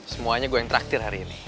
semuanya gue yang terakhir hari ini